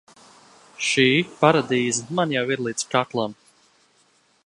Šī paradīze man jau ir līdz kaklam!